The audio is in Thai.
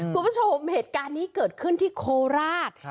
คุณผู้ชมเหตุการณ์นี้เกิดขึ้นที่โคราช